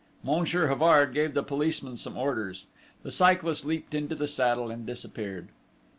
Monsieur Havard gave the policeman some orders. The cyclist leaped into the saddle and disappeared.